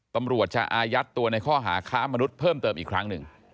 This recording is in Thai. ตำรวจจะอายัดตัวในข้อหาค้ามนุษย์เพิ่มเติมอีกครั้งหนึ่ง